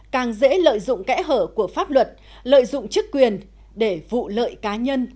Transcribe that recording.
càng dễ lợi dụng kẽ hở của pháp luật lợi dụng chức quyền để vụ lợi cá nhân